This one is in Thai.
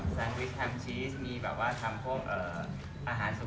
สั้นวิชก่ามชีสอาหารสุขภาพเข้ามีโฟร์หรืออะไรแบบนี้